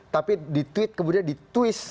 tapi dituit kemudian ditwist